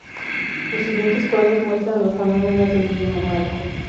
Los siguientes cuadros muestran los fonemas del idioma maya.